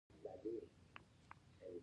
له همدې کبله پانګوال باید سپما ولري